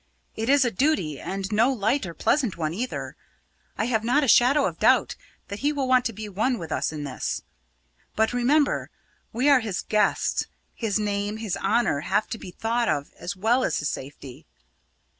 It is a duty and no light or pleasant one, either. I have not a shadow of doubt that he will want to be one with us in this. But remember, we are his guests; his name, his honour, have to be thought of as well as his safety."